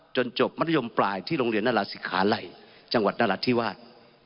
จบมัธยมปลายที่โรงเรียนนราศิกขาลัยจังหวัดนราธิวาส